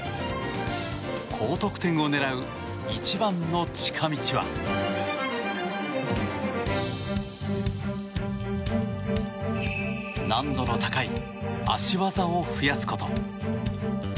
高得点を狙う一番の近道は難度の高い脚技を増やすこと。